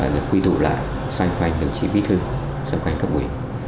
được quy thụ lại xoay quanh đồng chí bí thư xoay quanh cấp ủy